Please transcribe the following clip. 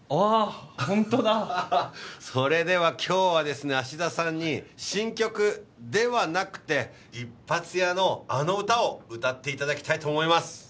ホントだそれでは今日はですね芦田さんに新曲ではなくて一発屋のあの歌を歌っていただきたいと思います